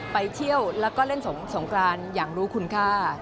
ไปเที่ยวแล้วก็เล่นสงกรานอย่างรู้คุณค่า